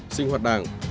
sinh hoạt đảng